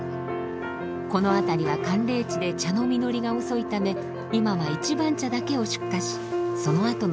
この辺りは寒冷地で茶の実りが遅いため今は一番茶だけを出荷しそのあとの茶葉は無駄になっています。